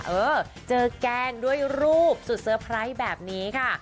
เออเจอแกล้งด้วยรูปสุดเซอร์ไพรส์แบบนี้ค่ะ